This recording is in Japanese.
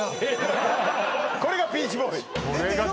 これがピーチボーイ